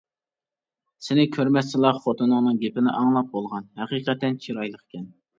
سېنى كۆرمەستىلا خوتۇنۇڭنىڭ گېپىنى ئاڭلاپ بولغان، ھەقىقەتەن چىرايلىقكەن.